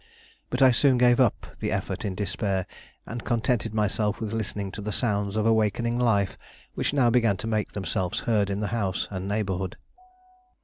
But I soon gave up the effort in despair, and contented myself with listening to the sounds of awakening life which now began to make themselves heard in the house and neighborhood.